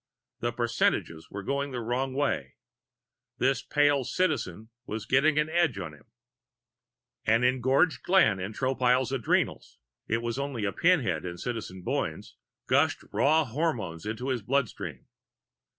The percentages were going the wrong way. This pale Citizen was getting an edge on him. An engorged gland in Tropile's adrenals it was only a pinhead in Citizen Boyne's gushed raw hormones into his bloodstream.